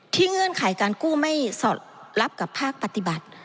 เงื่อนไขการกู้ไม่สอดรับกับภาคปฏิบัติ